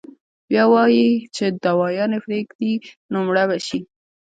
بيا وائي چې دوايانې پرېږدي نو مړه به شي -